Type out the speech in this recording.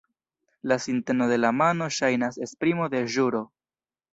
La sinteno de la mano ŝajnas esprimo de ĵuro.